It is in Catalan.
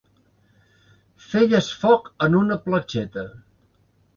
Feies foc en una platgeta.